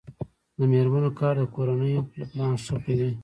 د میرمنو کار د کورنۍ پلان ښه کوي.